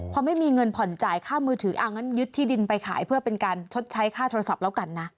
พอไม่มีเงินผ่อนจ่ายค่ามือถืออ่างั้นยึดที่ดินไปขายเพื่อเป็นการชดใช้ค่าโทรศัพท์แล้วกันนะ